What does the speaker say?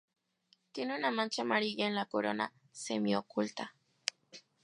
Tiene una mancha amarilla en la corona, semi-oculta.